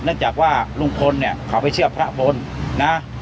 เนื่องจากว่าลุงพลเขาไม่เชื่อพระบนนะ